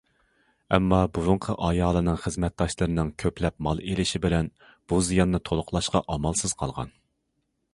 ئەمما بۇرۇنقى ئايالىنىڭ خىزمەتداشلىرىنىڭ كۆپلەپ مال ئېلىشى بىلەن بۇ زىياننى تولۇقلاشقا ئامالسىز قالغان.